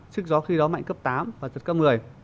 sức gió khi đó mạnh cấp tám và giật cấp một mươi